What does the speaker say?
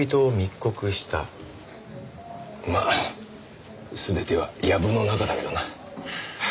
まあ全ては藪の中だけどな。